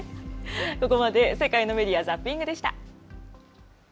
ここまで世界のメディア・ザッピングでした。